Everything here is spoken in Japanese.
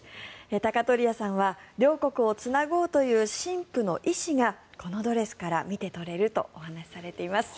鷹鳥屋さんは両国をつなごうという新婦の意思がこのドレスから見て取れるとお話しされています。